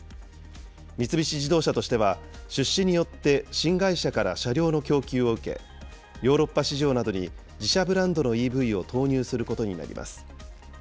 三菱自動車としては、出資によって新会社から車両の供給を受け、ヨーロッパ市場などに自社ブランドのＥＶを投入することになりま